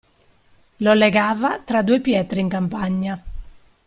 Lo legava tra due pietre in campagna.